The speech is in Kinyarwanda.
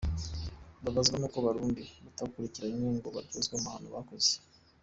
Babazwa n’uko Abarundi batakurikiranywe ngo baryozwe amahano bakoze.